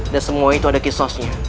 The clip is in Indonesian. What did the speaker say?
dan semua itu ada kisosnya